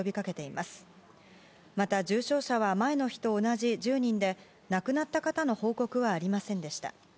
また重症者は前の日と同じ１０人で亡くなった方の報告はありませんでした。